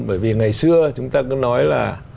bởi vì ngày xưa chúng ta cứ nói là